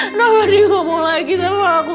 kenapa diomong lagi sama aku